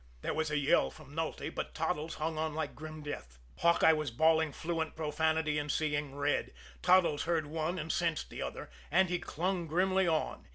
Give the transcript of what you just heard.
There was a yell from Nulty; but Toddles hung on like grim death. Hawkeye was bawling fluent profanity and seeing red. Toddles heard one and sensed the other and he clung grimly on.